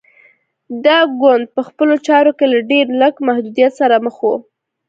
دا ګوند په خپلو چارو کې له ډېر لږ محدودیت سره مخ و.